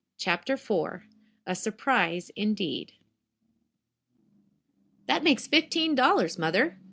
CHAPTER IV A SURPRISE, INDEED That makes fifteen dollars, mother.